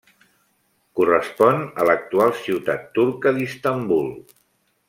Correspon a l'actual ciutat turca d'Istanbul.